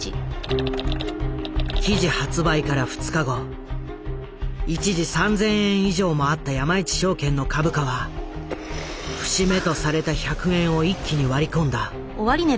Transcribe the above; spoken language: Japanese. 記事発売から２日後一時３，０００円以上もあった山一証券の株価は節目とされた１００円を一気に割り込んだ。